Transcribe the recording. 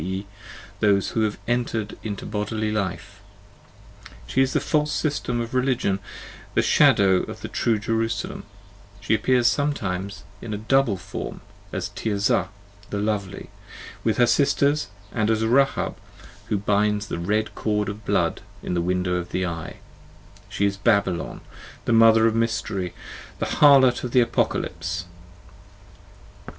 e., those who have entered into bodily life: she is the false system of religion, the shadow of the true Jerusalem: she appears sometimes in a double form, as Tirzah the lovely with her sisters, and as Rahab, who binds the red cord of blood in the window of the eye: she is Babylon, the mother of mystery, the harlot of the Apocalypse.